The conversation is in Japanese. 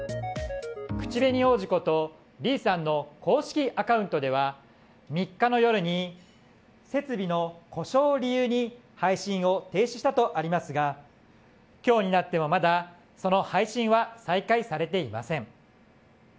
口紅王子ことリーさんの公式アカウントでは３日の夜に、設備の故障を理由に配信を停止したとありますが今日になってもまだその配信は再開されていません。